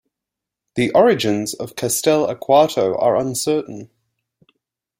The origins of Castell'Arquato are uncertain.